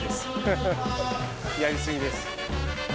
やり過ぎです。